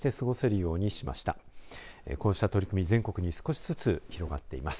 こうした取り組み全国に少しずつ広がっています。